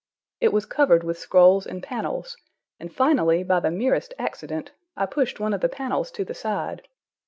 It was covered with scrolls and panels, and finally, by the merest accident, I pushed one of the panels to the side.